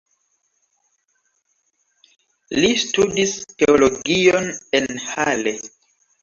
Li studis teologion en Halle.